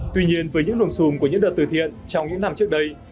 tuy nhiên với những nồm xùm của những đợt từ thiện trong những năm trước đây